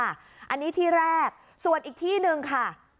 อันนี้ที่แรกส่วนอีกที่หนึ่งค่ะ